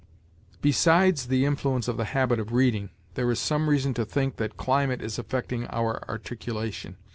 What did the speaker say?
Besides the influence of the habit of reading, there is some reason to think that climate is affecting our articulation.